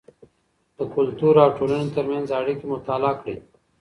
د کلتور او ټولنې ترمنځ اړیکه مطالعه کړئ.